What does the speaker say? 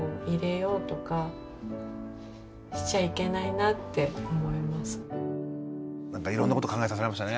なんかいろんなこと考えさせられましたね。